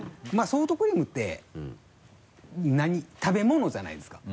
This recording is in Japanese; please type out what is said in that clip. ソフトクリームって食べ物じゃないですか。